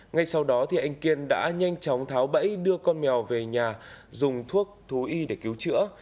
ngay sau đó anh kiên đã nhanh chóng tháo bẫy đưa con mèo về nhà dùng thuốc thú y để cứu chữa